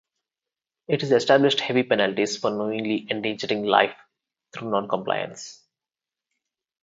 It established heavy penalties for knowingly endangering life through noncompliance.